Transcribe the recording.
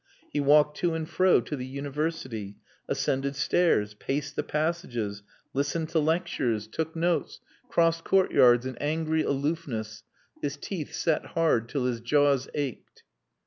He walked to and fro to the University, ascended stairs, paced the passages, listened to lectures, took notes, crossed courtyards in angry aloofness, his teeth set hard till his jaws ached.